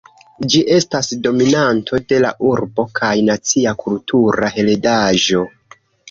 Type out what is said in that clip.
Ĝi estas dominanto de la urbo kaj nacia kultura heredaĵo.